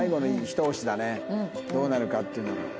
どうなるかっていうのが。